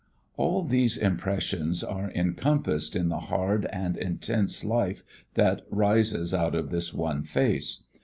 All these impressions are encompassed in the hard and intense life that rises out of this one face.